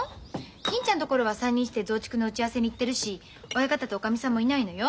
銀ちゃんところは３人して増築の打ち合わせに行ってるし親方とおかみさんもいないのよ。